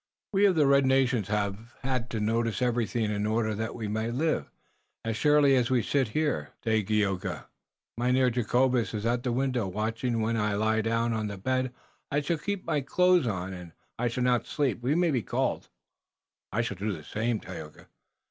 "We of the red nations have had to notice everything in order that we might live. As surely as we sit here, Dagaeoga, Mynheer Jacobus is at the window, watching. When I lie down on the bed I shall keep my clothes on, and I shall not sleep. We may be called." "I shall do the same, Tayoga."